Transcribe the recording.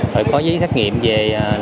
phải có giấy xác nghiệm về